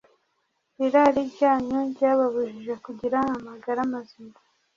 Irari ryanyu ryababujije kugira amagara mazima